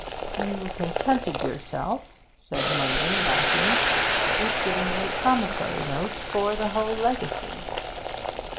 'You contented yourself,' said Munden, laughing, 'with giving a promissory note for the whole legacy.'